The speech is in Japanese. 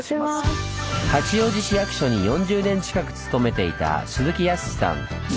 八王子市役所に４０年近く勤めていた鈴木泰さん。